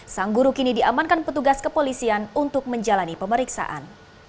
sang guru kini diamankan petugas kepolisian untuk menjalani pemeriksaan